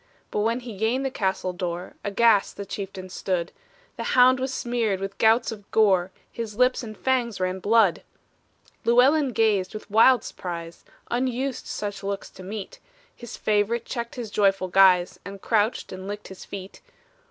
But when he gained the castle door, Aghast the chieftain stood; The hound was smeared with gouts of gore His lips and fangs ran blood! Llewellyn gazed with wild surprise; Unused such looks to meet, His fav'rite checked his joyful guise, And crouched, and licked his feet.